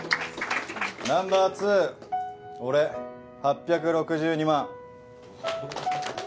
ナンバー２俺８６２万。